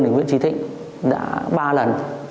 thì nguyễn trí thị đã ba lần